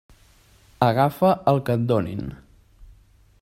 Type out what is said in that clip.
Agafa el que et donin.